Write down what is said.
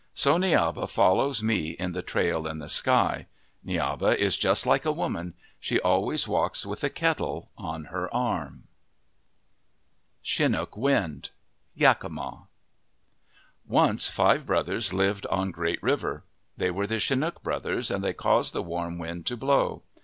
So Niaba follows Mi on the trail in the sky. Ni aba is just like a woman. She always walks with a kettle on her arm. 6 9 MYTHS AND LEGENDS CHINOOK WIND Taklma ONCE five brothers lived on Great River. They were the Chinook brothers and they caused the warm wind to blow.